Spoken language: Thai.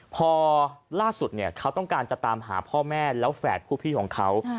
พอล่าสุดเนี่ยเขาต้องการจะตามหาพ่อแม่แล้วแฝดผู้พี่ของเขา